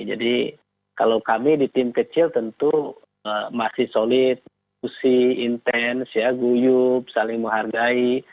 jadi kalau kami di tim kecil tentu masih solid intens guyup saling menghargai